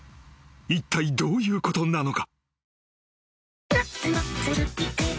いったいどういうことなのか？］